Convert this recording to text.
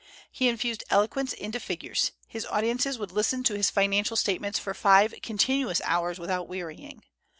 He infused eloquence into figures; his audiences would listen to his financial statements for five continuous hours without wearying.